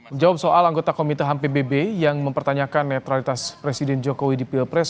menjawab soal anggota komite ham pbb yang mempertanyakan netralitas presiden jokowi di pilpres